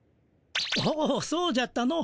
おおそうじゃったの。